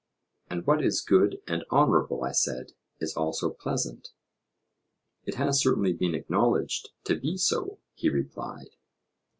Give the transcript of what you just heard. And what is good and honourable, I said, is also pleasant? It has certainly been acknowledged to be so, he replied.